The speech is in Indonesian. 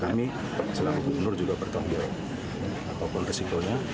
kami selalu berpikir apapun resikonya